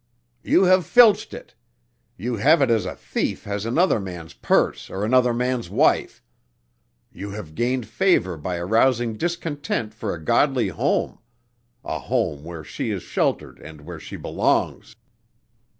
"You have filched it! You have it as a thief has another man's purse or another man's wife. You have gained favor by arousing discontent for a Godly home: a home where she is sheltered and where she belongs."